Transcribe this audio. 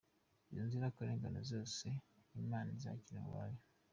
Izo nzirakarengane zose Imana izakire mu bayo!